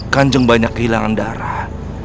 kanjeng banyak kehilangan darah